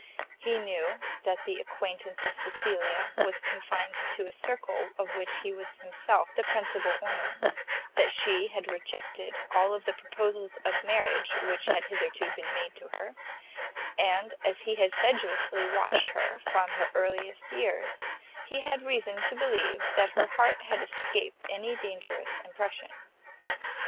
He knew that the acquaintance of Cecilia was confined to a circle of which he was himself the principal ornament, that she had rejected all the proposals of marriage which had hitherto been made to her, and, as he had sedulously watched her from her earliest years, he had reason to believe that her heart had escaped any dangerous impression.